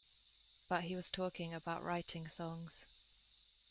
But he was talking about writing songs.